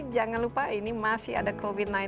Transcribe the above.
jangan lupa ini masih ada covid sembilan belas